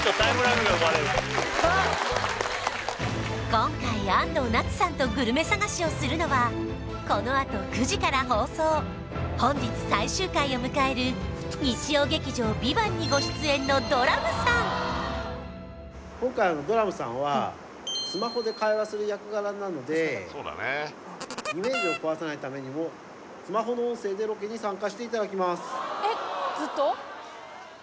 今回安藤なつさんとグルメ探しをするのはこのあと９時から放送本日最終回を迎える日曜劇場「ＶＩＶＡＮＴ」にご出演のドラムさんイメージを壊さないためにもスマホの音声でロケに参加していただきます